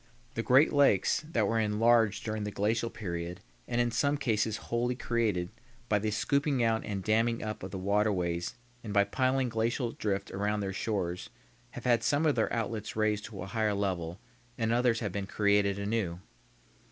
The great lakes, that were enlarged during the glacial period and in some cases wholly created by the scooping out and damming up of the waterways and by piling glacial drift around their shores have had some of their outlets raised to a higher level, and others have been created anew.